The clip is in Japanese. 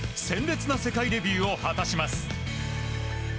鮮烈な世界デビューを果たします。